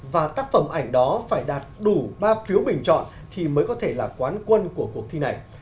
và tác phẩm ảnh đó phải đạt đủ ba phiếu bình chọn thì mới có thể là quán quân của cuộc thi này